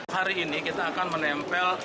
hari ini kita akan menempel